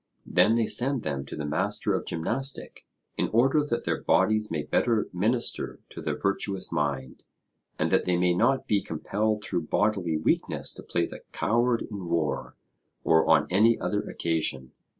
Then they send them to the master of gymnastic, in order that their bodies may better minister to the virtuous mind, and that they may not be compelled through bodily weakness to play the coward in war or on any other occasion.